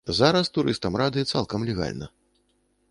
Зараз турыстам рады цалкам легальна.